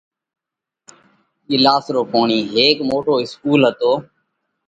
ڳِلاس رو پوڻِي : هيڪ موٽو اِسڪُول هتو